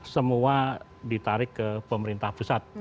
semua ditarik ke pemerintah pusat